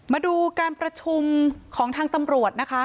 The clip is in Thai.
มาดูการประชุมของทางตำรวจนะคะ